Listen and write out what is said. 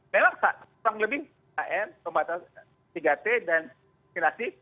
memang kurang lebih tiga m tiga t dan vaksinasi